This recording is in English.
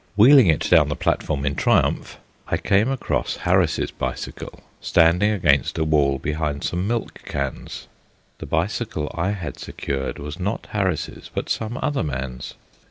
Wheeling it down the platform in triumph, I came across Harris's bicycle, standing against a wall behind some milk cans. The bicycle I had secured was not Harris's, but some other man's.